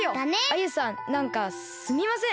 アユさんなんかすみません！